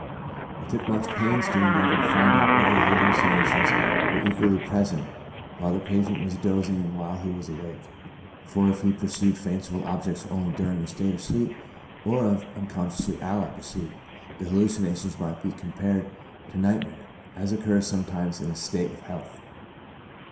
I took much pains to endeavor to find out whether the hallucina tions were equally present while the patient was dozing and while he was awake ; for if he perceived fanciful objects only during a state of sleep, or of unconsciousness allied to sleep, the hallucinations might be compared to nightmare, as oc curs sometimes in the state of health.